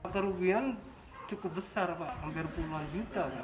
kerugian cukup besar pak hampir puluhan juta